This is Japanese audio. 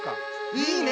いいね！